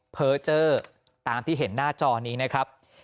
เพอร์เจอร์ตามที่เห็นหน้าจอนี้นะครับ